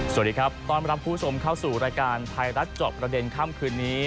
สวัสดีครับตอนรับคุณผู้ชมเข้าสู่รายการภายรัฐจอบประเด็นข้ามคืนนี้